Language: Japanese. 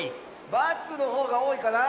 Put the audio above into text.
×のほうがおおいかな？